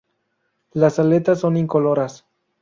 Las aletas son incoloras.